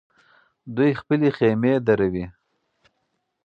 دوی خپلې خېمې دروي.